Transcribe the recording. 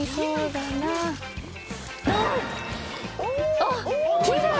あっ、きれい！